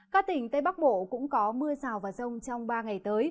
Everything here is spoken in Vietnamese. các tỉnh tây bắc bộ cũng có mưa rào và rông trong ba ngày tới